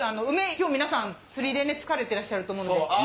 今日皆さん釣りで疲れてらっしゃると思うので。